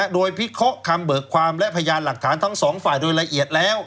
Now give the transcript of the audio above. โดยพิเคราะห์คำเบิกความและพยานหลักฐานทั้งสองฝ่ายโดยละเอียดแล้ว